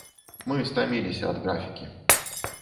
Мы стаміліся ад графікі.